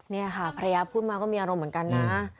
นี่ค่ะภรรยาพูดมาก็มีอารมณ์เหมือนกันนะ